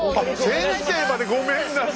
先生までごめんなさい！